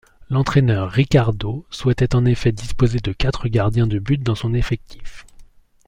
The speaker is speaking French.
L'entraîneur Ricardo souhaitait en effet disposer de quatre gardiens de but dans son effectif.